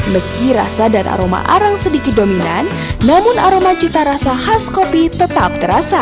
meski rasa dan aroma arang sedikit dominan namun aroma cita rasa khas kopi tetap terasa